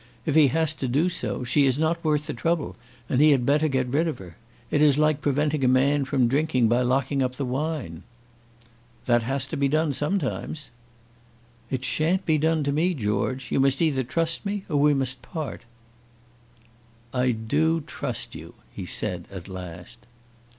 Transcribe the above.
If he has to do so, she is not the worth the trouble, and he had better get rid of her. It is like preventing a man from drinking by locking up the wine." "That has to be done sometimes." "It sha'n't be done to me, George. You must either trust me, or we must part." "I do trust you," he said, at last.